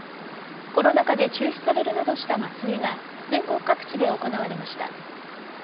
コロナ禍で中止されるなどした祭りが全国各地で行われました。